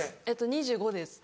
２５です。